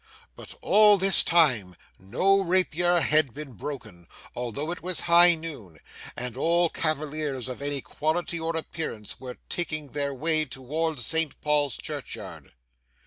But all this time no rapier had been broken, although it was high noon, and all cavaliers of any quality or appearance were taking their way towards Saint Paul's churchyard.